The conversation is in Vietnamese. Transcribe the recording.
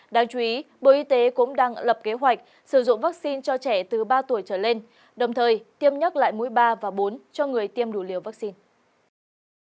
đáng chú ý bộ y tế cũng đang lập kế hoạch sử dụng vaccine cho trẻ từ ba tuổi trở lên đồng thời tiêm nhắc lại mũi ba và bốn cho người tiêm đủ liều vaccine